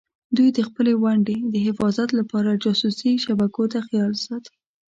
دوی د خپلې ونډې د حفاظت لپاره جاسوسي شبکو ته خیال ساتي.